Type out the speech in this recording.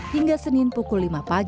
hingga senin pukul sepuluh